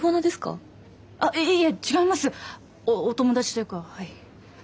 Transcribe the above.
お友達というかはい。